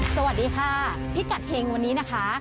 สวัสดีค่ะพิกัดเฮงวันนี้นะคะ